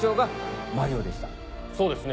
そうですね